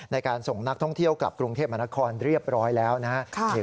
ในการส่งนักท่องเที่ยวกลับกรุงเทพมหานครเรียบร้อยแล้วนะครับ